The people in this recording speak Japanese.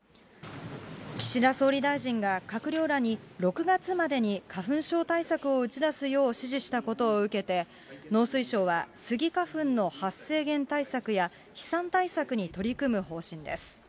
岸田総理大臣が、閣僚らに６月までに花粉症対策を打ち出すよう指示したことを受けて、農水省はスギ花粉の発生源対策や、飛散対策に取り組む方針です。